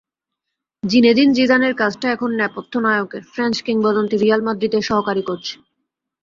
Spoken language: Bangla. জিনেদিন জিদানের কাজটা এখন নেপথ্য নায়কের, ফ্রেঞ্চ কিংবদন্তি রিয়াল মাদ্রিদের সহকারী কোচ।